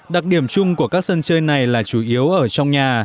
đặc điểm chung của các sân chơi này là chủ yếu ở trong nhà